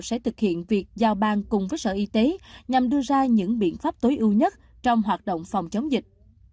sẽ thực hiện việc giao ban cùng với sở y tế nhằm đưa ra những biện pháp tối ưu nhất trong hoạt động phòng chống dịch